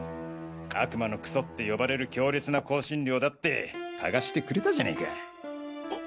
「悪魔の糞」って呼ばれる強烈な香辛料だって嗅がしてくれたじゃねぇか。